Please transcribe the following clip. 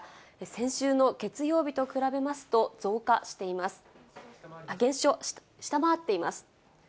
先週の月曜日と比べますと、下回っています。